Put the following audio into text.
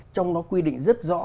trong đó quy định rất rõ